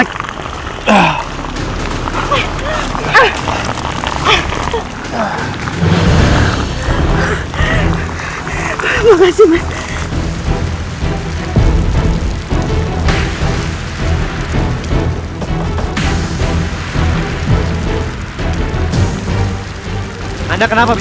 tidak ada apa apa mas